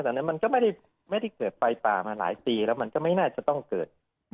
นั้นมันก็ไม่ได้เกิดไฟป่ามาหลายปีแล้วมันก็ไม่น่าจะต้องเกิด